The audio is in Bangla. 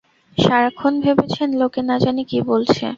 সারাক্ষণ ভেবেছেন, লোকে না-জানি কি বলছে।